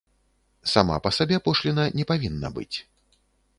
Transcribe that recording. Сама па сабе пошліна не павінна быць.